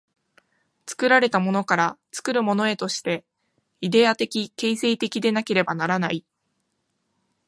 作られたものから作るものへとして、イデヤ的形成的でなければならない。